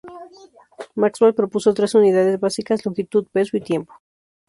Maxwell propuso tres unidades básicas: longitud, peso y tiempo.